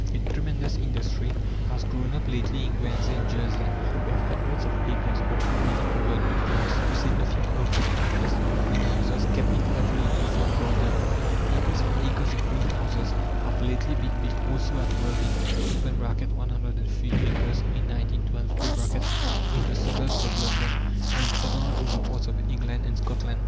A tremendous industry has grown up lately in Guernsey and Jersey, where hundreds of acres are already covered with glass to say nothing of the countless small greenhouses kept in every little farm garden. Acres and acres of greenhouses have lately been built also at Worthing (103 acres in 1912), in the suburbs of London, and in several other parts of England and Scotland.